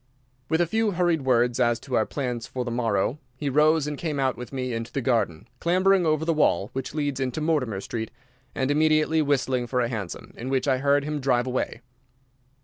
With a few hurried words as to our plans for the morrow he rose and came out with me into the garden, clambering over the wall which leads into Mortimer Street, and immediately whistling for a hansom, in which I heard him drive away.